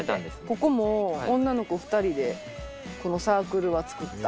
ここも女の子２人でこのサークルは作った。